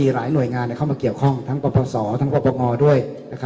หลายหน่วยงานเข้ามาเกี่ยวข้อทั้งปรบศาลทั้งปรับปรับงองด้วย